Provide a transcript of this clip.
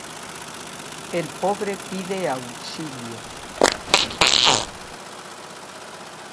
El pobre pide auxilio.